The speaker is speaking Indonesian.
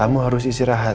kamu harus istirahat